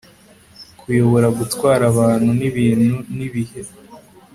kuyobora gutwara abantu n'ibintu n ibihe